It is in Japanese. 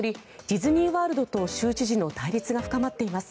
ディズニー・ワールドと州知事の対立が深まっています。